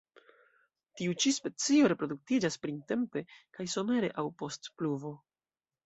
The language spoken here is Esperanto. Tiu ĉi specio reproduktiĝas printempe kaj somere aŭ post pluvo.